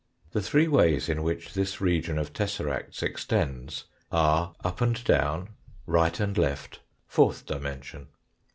The three ways in which this region of tesseracts extends is up and down, right and left, fourth dimension.